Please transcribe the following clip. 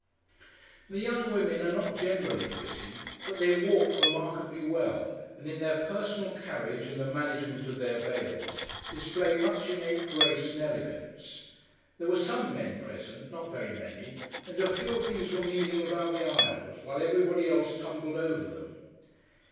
The young women are not generally pretty, but they walk remarkably well, and in their personal carriage and the management of their veils, display much innate grace and elegance. There were some men present: not very many: and a few of these were kneeling about the aisles, while everybody else tumbled over them.